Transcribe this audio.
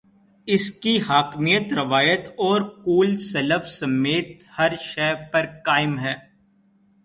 اس کی حاکمیت، روایت اور قول سلف سمیت ہر شے پر قائم ہے۔